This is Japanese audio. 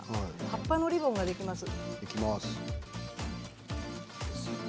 葉っぱのリボンができます。